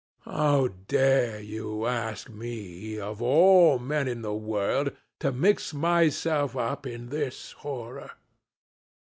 How dare you ask me, of all men in the world, to mix myself up in this horror?